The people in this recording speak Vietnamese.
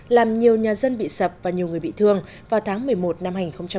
làm nhiều nhà dân bị sập và nhiều người bị thương vào tháng một mươi một năm hai nghìn một mươi chín